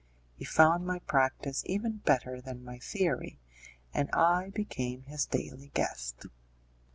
He found my practice even better than my theory, and I became his daily guest.